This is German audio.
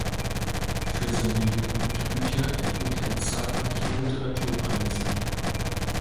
Für seine Jugendbücher erhielt er zahlreiche Literaturpreise.